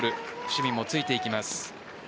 伏見もついていきます。